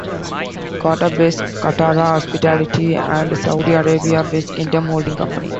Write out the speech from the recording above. Qatar based Katara Hospitality and Saudi Arabia based Kingdom Holding Company.